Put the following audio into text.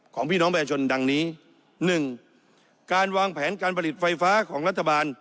ของพี่น้องแบบนี้๑การวางแผนการผลิตไฟฟ้าของรัฐบาล